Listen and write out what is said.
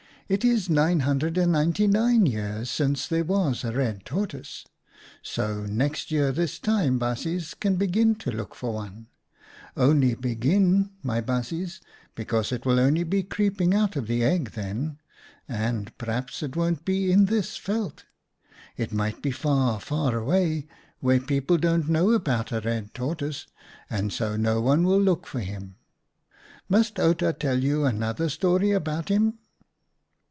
It is nine hundred and ninety nine years since there was a red tortoise, so next year this time baasjes can begin to look for one. Only begin, my baasjes, because it will only be creeping out of the egg then. And p'raps it won't be in this veld. It might be far, far away where people don't know about a red tortoise, and so no one will look for him. Must Outa tell another story about him